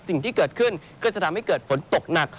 สิ่งที่เกิดขึ้นก็จะทำให้เกิดฝนตกหนัก